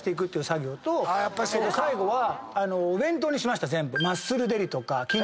最後はお弁当にしました全部。